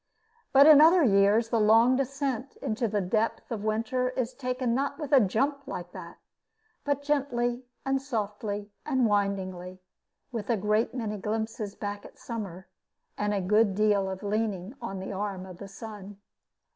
But in other years the long descent into the depth of winter is taken not with a jump like that, but gently and softly and windingly, with a great many glimpses back at the summer, and a good deal of leaning on the arm of the sun.